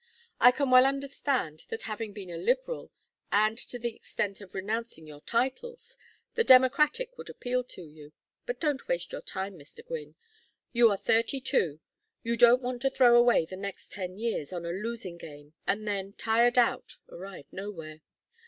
I can well understand, that having been a Liberal and to the extent of renouncing your titles! the Democratic would appeal to you. But don't waste your time, Mr. Gwynne. You are thirty two. You don't want to throw away the next ten years on a losing game, and then, tired out, arrive nowhere.